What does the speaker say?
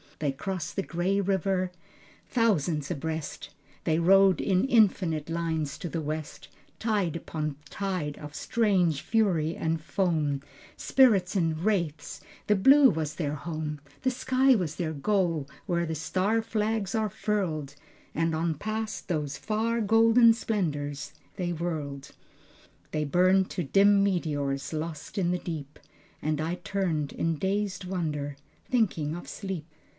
They crossed the gray river, thousands abreast, They rode in infinite lines to the west, Tide upon tide of strange fury and foam, Spirits and wraiths, the blue was their home, The sky was their goal where the star flags are furled, And on past those far golden splendors they whirled. They burned to dim meteors, lost in the deep. And I turned in dazed wonder, thinking of sleep.